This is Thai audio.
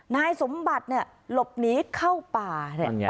นายสมบัติหลบหนีเข้าป่า